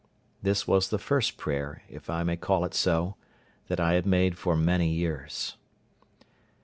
This was the first prayer, if I may call it so, that I had made for many years.